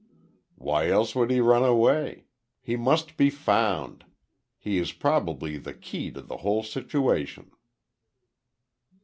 "Why else would he run away? He must be found. He is probably the key to the whole situation."